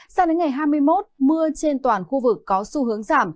sang đến ngày hai mươi một mưa trên toàn khu vực có xu hướng giảm